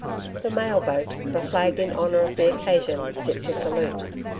The mail boat, beflagged in honor of the occasion, dipped a salute.